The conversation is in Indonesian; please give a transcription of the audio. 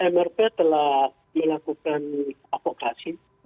mrp telah melakukan avokasi